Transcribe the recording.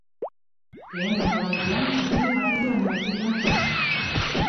Lehen denboraldian hiru partidu baino ez zituen jolastu.